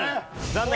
残念！